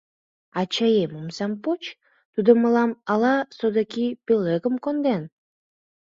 Ачаем, омсам поч, тудо мылам ала содыки пӧлекым конден?